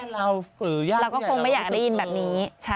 เราก็คงไม่อยากได้ยินแบบนี้